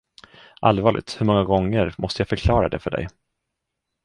Allvarligt, hur många gånger måste jag förklara det för dig?